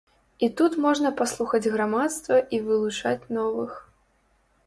І тут можна паслухаць грамадства і вылучаць новых.